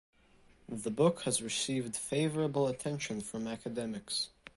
The book has received favorable attention from academics.